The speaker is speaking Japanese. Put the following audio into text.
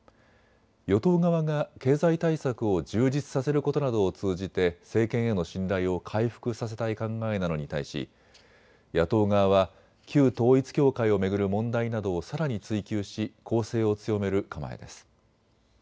与党側が経済対策を充実させることなどを通じて政権への信頼を回復させたい考えなのに対し、野党側は旧統一教会を巡る問題などをさらに追及し攻勢を強める構えです。